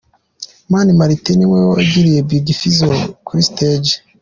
Mani Martin niwe wakiriye Big Fizzo kuri stage.